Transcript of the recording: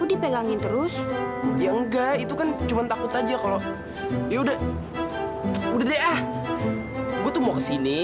iya udah makasih ya kak